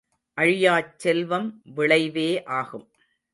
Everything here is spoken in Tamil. அழியாச் செல்வம் விளைவே ஆகும்.